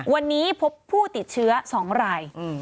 วันนี้พบผู้ติดเชื้อ๒ราย